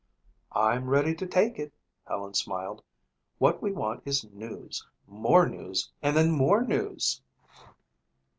"I'm ready to take it," Helen smiled. "What we want is news, more news and then more news."